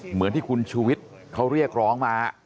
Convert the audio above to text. เหมือนที่คุณชูวิทย์เขาเรียกร้องมา